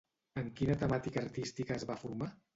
En quina temàtica artística es va formar?